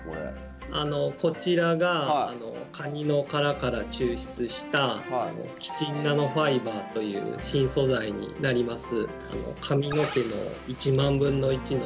あのこちらがカニの殻から抽出したキチンナノファイバーという新素材になります。